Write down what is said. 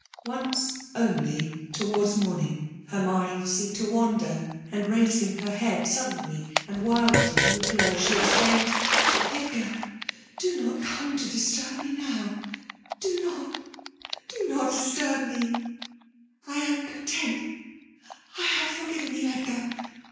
Once onlji towards mendng, her mind seemed to wander ; and, raising her head suddenly and wildly from her pillow, she exchumed " Hdgar !— ^Do not come to disturb me now,— do not — do not disturb me. I am content — I have forgiven you, Edgar